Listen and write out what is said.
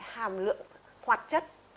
hàm lượng hoạt chất